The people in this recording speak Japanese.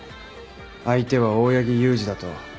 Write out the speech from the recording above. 相手は大八木勇二だと。